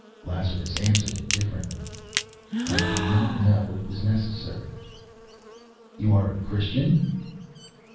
Lazarus answered indifferently: "I did not know it was necessary." "You are a Christian?"